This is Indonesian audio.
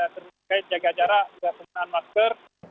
terkait jaga jarak juga penggunaan masker